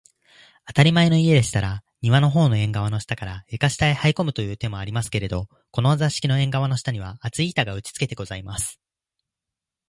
あたりまえの家でしたら、庭のほうの縁がわの下から、床下へはいこむという手もありますけれど、このお座敷の縁がわの下には、厚い板が打ちつけてございます